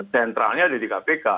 sentralnya ada di kpk